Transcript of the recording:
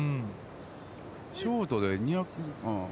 ショートで２００。